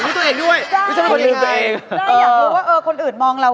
สวัสดีครับ